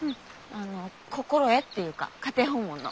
あの心得っていうか家庭訪問の。